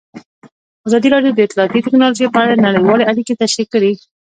ازادي راډیو د اطلاعاتی تکنالوژي په اړه نړیوالې اړیکې تشریح کړي.